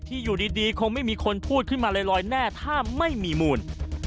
อยู่ดีคงไม่มีคนพูดขึ้นมาลอยแน่ถ้าไม่มีมูล